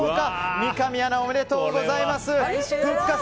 三上アナ、おめでとうございます。